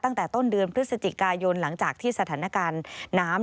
ตั้งแต่ต้นเดือนพฤศจิกายนหลังจากที่สถานการณ์น้ำ